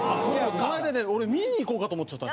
この間ね俺見に行こうかと思っちゃった。